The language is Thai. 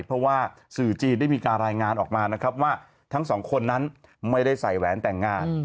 เพราะว่าสื่อจีนได้มีการรายงานออกมานะครับว่าทั้งสองคนนั้นไม่ได้ใส่แหวนแต่งงาน